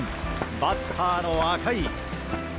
バッターの赤井！